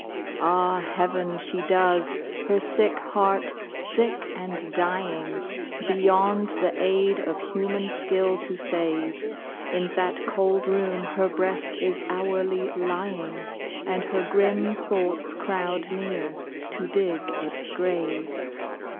Ah, heaven, she does! her sick heart, sick and dying, Beyond the aid of human skill to save, In that cold room her breast is hourly lying, And her grim thoughts crowd near to dig its grave.